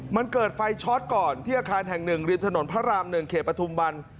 มันเกิดไฟช็อตก่อนที่อาคารแห่งหนึ่งริมถนนพระราม๑เขตปฐุมวัน